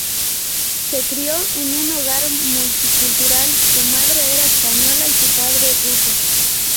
Se crio en un hogar multicultural, su madre era española y su padre ruso.